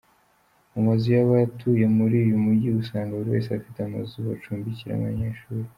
Mumazu yabatuye muri uyu mugi usanga buri wese afite amazu bacumbikiramo abanyeshuri.